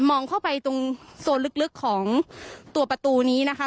มองเข้าไปตรงโซนลึกของตัวประตูนี้นะคะ